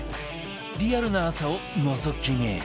リアルな朝をのぞき見